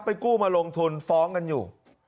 กู้มาลงทุนฟ้องกันอยู่